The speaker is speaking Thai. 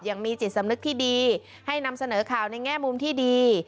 ยังมีจิตสำนึกที่ดีให้นำเสนอข่าวในแง่มุมที่ดี